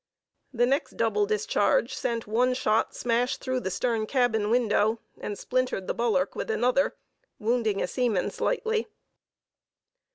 The next double discharge sent one shot smash through the stern cabin window, and splintered the bulwark with another, wounding a seaman slightly.